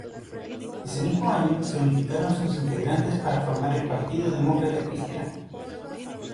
Ese mismo año se unificaron sus integrantes para formar el Partido Demócrata Cristiano.